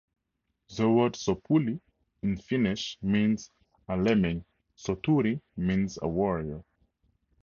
The word "sopuli" in Finnish means a lemming, "soturi" means a warrior.